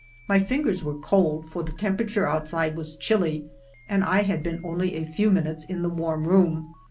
My fingers were cold, for the temperature outside was chilly, and I had been only a few minutes in the warm room.